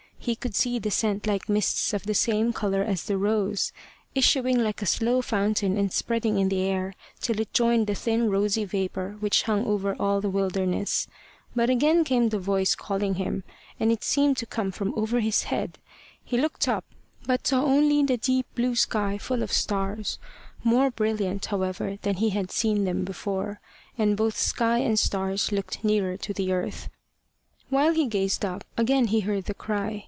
He could see the scent like mists of the same colour as the rose, issuing like a slow fountain and spreading in the air till it joined the thin rosy vapour which hung over all the wilderness. But again came the voice calling him, and it seemed to come from over his head. He looked up, but saw only the deep blue sky full of stars more brilliant, however, than he had seen them before; and both sky and stars looked nearer to the earth. While he gazed up, again he heard the cry.